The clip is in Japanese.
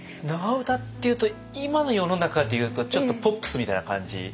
長唄っていうと今の世の中でいうとちょっとポップスみたいな感じ。